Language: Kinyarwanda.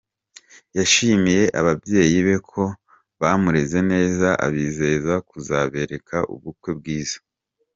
Yashimiye ababyeyi be ko bamureze neza abizeza kuzabereka ubukwe bwiza.